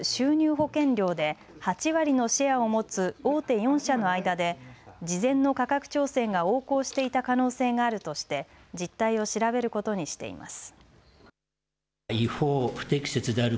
保険料で８割のシェアをもつ大手４社の間で事前の価格調整が横行していた可能性があるとして実態を調べることにしています。